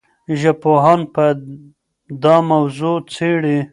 ژبپوهان به دا موضوع څېړي.